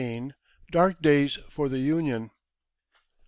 DARK DAYS FOE THE UNION.